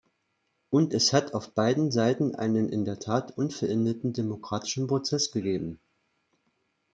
Und es hat auf beiden Seiten einen in der Tat unvollendeten demokratischen Prozess gegeben.